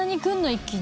一気に」